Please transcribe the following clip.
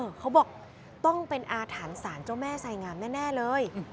เขาบอกต้องเป็นอาถรรพ์สารเจ้าแม่ไสงามแน่เลย